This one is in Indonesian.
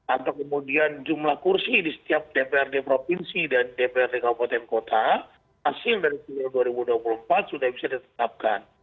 atau kemudian jumlah kursi di setiap dprd provinsi dan dprd kabupaten kota hasil dari dua ribu dua puluh empat sudah bisa ditetapkan